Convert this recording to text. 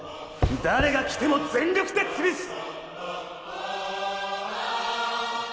誰がきても全力で潰す！